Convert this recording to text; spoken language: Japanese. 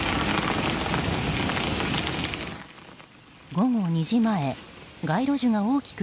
午後２時前街路樹が大きく